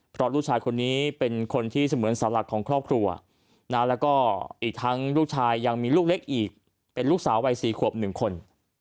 เพราะลูกชายคนนี้เป็นเหมือนสหรัฐครอบครัวยังมีลูกเล็กอีกที่เป็นลูกสาวไว้๔ขวบนึนคน